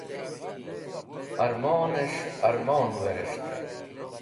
Ẽrmonẽs̃h ẽrmon werẽs̃ht.